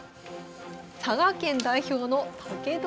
佐賀県代表の武富？